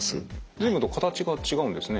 随分と形が違うんですね。